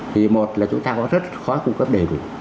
thì một là chúng ta có rất khó cung cấp đầy đủ